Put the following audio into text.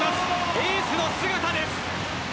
エースの姿です。